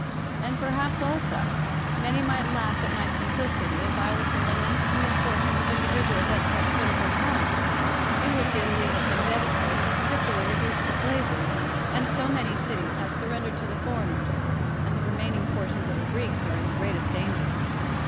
And perhaps, also, many might laugh at my simplicity, if I were to lament the misfortunes of individuals at such critical times, in Avhich Italy has been devastated, and Sicily reduced to slavery, and so many cities have been surrendered to the foreigners, and the remaining portions of the Greeks are in the greatest dangers.